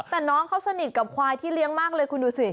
แต่น้องเขาสนิทกับควายที่เลี้ยงมากเลยคุณดูสิ